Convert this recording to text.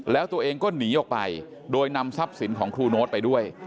แล้วตัวเองก็หนีออกไปโดยนำทรัพย์สินของครูโน๊ตไปด้วย